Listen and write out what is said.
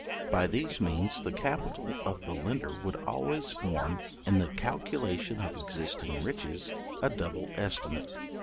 By these means the capital of the lender would always form, in the calculation of existing riches, a double estimate.